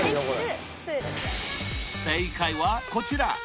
これ正解はこちら！